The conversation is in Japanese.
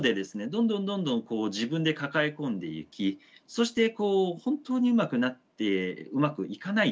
どんどんどんどんこう自分で抱え込んでいきそしてこう本当にうまくなってうまくいかないとですね